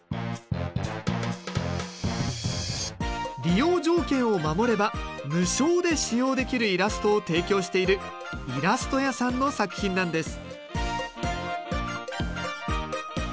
利用条件を守れば無償で使用できるイラストを提供しているいらすとやさんの作品なんです。